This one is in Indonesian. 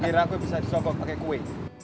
bukir aku bisa dicobok pake kue